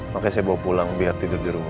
makanya saya bawa pulang biar tidur di rumah